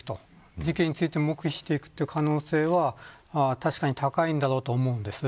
事件について黙秘していくという可能性は確かに高いんだろうと思います。